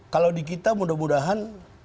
kalau di kita mudah mudahan